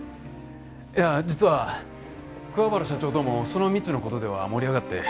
いや実は桑原社長ともその蜜の事では盛り上がって。